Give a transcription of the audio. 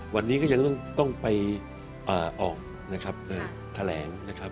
วันนี้ก็ยังต้องไปออกแถลง